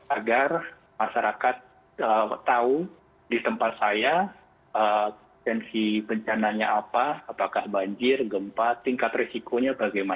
agar masyarakat tahu di tempat saya tensi bencananya apa apakah banjir gempa tingkat risikonya bagaimana